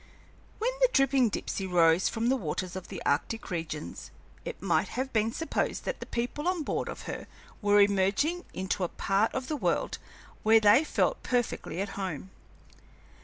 When the dripping Dipsey rose from the waters of the arctic regions, it might have been supposed that the people on board of her were emerging into a part of the world where they felt perfectly at home.